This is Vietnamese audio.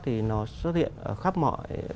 thì nó xuất hiện khắp mọi